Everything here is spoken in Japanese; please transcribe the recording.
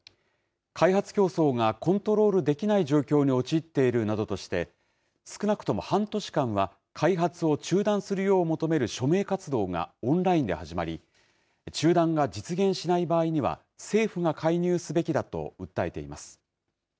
開発競争がコントロールできない状況に陥っているなどとして少なくとも半年間は開発を中断するよう求める署名活動がオンラインで始まり中断が実現しない場合には政府が介入すべきだと訴えています。